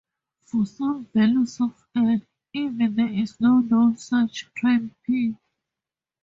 For some values of "n", even there is no known such prime "p".